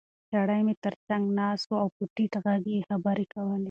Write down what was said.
سړی مې تر څنګ ناست و او په ټیټ غږ یې خبرې کولې.